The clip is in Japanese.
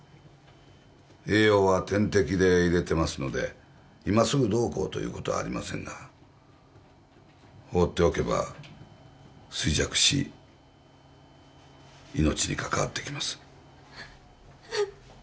栄養は点滴で入れていますので今すぐどうこうということはありませんが放っておけば衰弱し命にかかわってきます